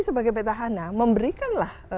sebagai petahana memberikanlah